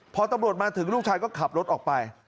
พอตำรวจมาถึงลูกชายก็ขับรถออกไป